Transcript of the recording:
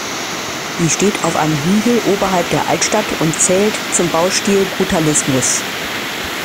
Sie steht auf einem Hügel oberhalb der Altstadt und zählt zum Baustil Brutalismus.